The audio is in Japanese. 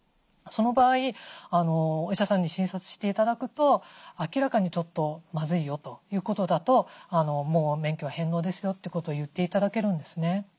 その場合お医者さんに診察して頂くと明らかにちょっとまずいよということだともう免許は返納ですよってことを言って頂けるんですね。